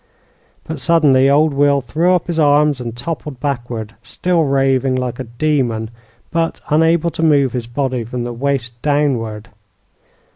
But suddenly old Will threw up his arms and toppled backward, still raving like a demon, but unable to move his body from the waist downward.